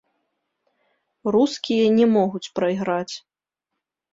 Рускія не могуць прайграць.